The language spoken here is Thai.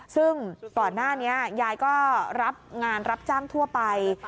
ซึ่งก่อนหน้านี้ยายก็รับงานรับจ้างทั่วไป